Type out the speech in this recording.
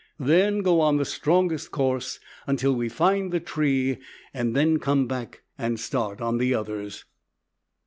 Then go on the strongest course until we find the tree and then come back and start on the others.